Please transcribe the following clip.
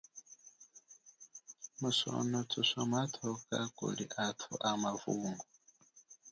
Musono thuswa mathuka kuli athu amavungo.